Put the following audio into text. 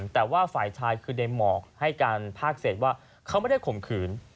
แต่ว่าฝ่ายชายคือในหมอกให้การภาคเศษว่าเขาไม่ได้ข่มขืน